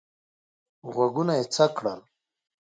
غوږونه یې څک کړل.